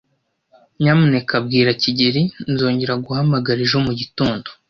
Nyamuneka bwira kigeli nzongera guhamagara ejo mugitondo.